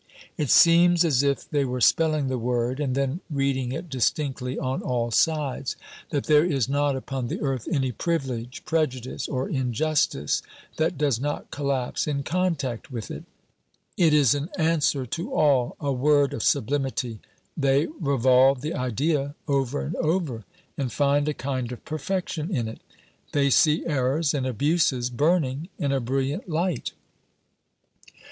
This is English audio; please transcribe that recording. It seems as if they were spelling the word and then reading it distinctly on all sides that there is not upon the earth any privilege, prejudice or injustice that does not collapse in contact with it. It is an answer to all, a word of sublimity. They revolve the idea over and over, and find a kind of perfection in it. They see errors and abuses burning in a brilliant light.